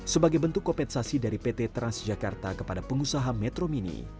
sebagai bentuk kompensasi dari pt transjakarta kepada pengusaha metro mini